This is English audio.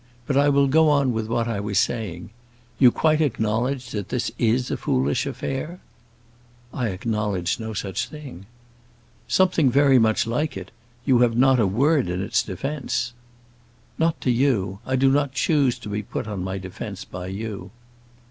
But I will go on with what I was saying. You quite acknowledge that this is a foolish affair?" "I acknowledge no such thing." "Something very much like it. You have not a word in its defence." "Not to you: I do not choose to be put on my defence by you."